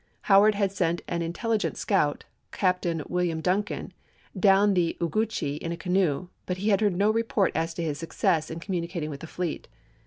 Howard had sent an intelligent scout, Captain William Duncan, down the Ogeechee in a canoe, but had heard no report as to his success in communica ting with the fleet.